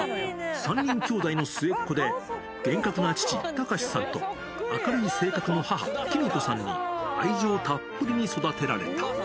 ３人兄弟の末っ子で、厳格な父、卓さんと、明るい性格の母、きみ子さんに愛情たっぷりに育てられた。